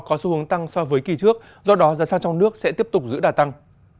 có xu hướng tăng so với kỳ trước do đó giá xăng trong nước sẽ tiếp tục giữ đà tăng